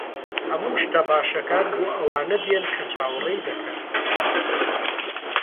ھەموو شتە باشەکان بۆ ئەوانە دێن کە چاوەڕێ دەکەن.